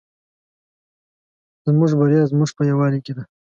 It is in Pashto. زموږ بریا زموږ په یوالي کې ده